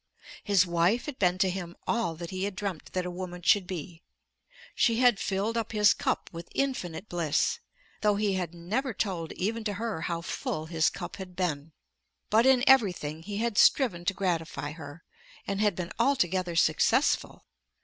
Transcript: His wife had been to him all that he had dreamt that a woman should be. She had filled up his cup with infinite bliss, though he had never told even to her how full his cup had been. But in everything he had striven to gratify her, and had been altogether successful.